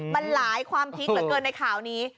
มันหลายความพลิกเหลือเกินในข่าวนี้